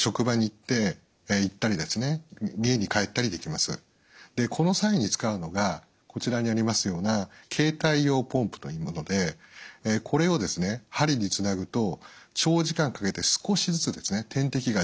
さすがにこの際に使うのがこちらにありますような携帯用ポンプというものでこれを針につなぐと長時間かけて少しずつ点滴が自動で入っていくんですね。